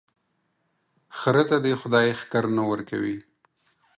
خره ته دي خداى ښکر نه ور کوي،